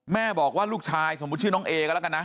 แม่บอกว่าลูกชายสมมุติชื่อน้องเอก็แล้วกันนะ